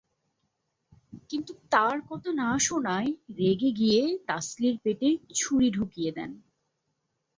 কিন্তু তাঁর কথা না শোনায় রেগে গিয়ে তাসলীর পেটে ছুরি ঢুকিয়ে দেন।